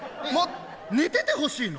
寝ててほしいの？